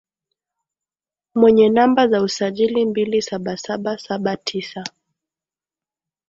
mwenye namba za usajili mbili saba saba saba tisa